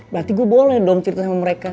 berarti gue boleh dong cerita sama mereka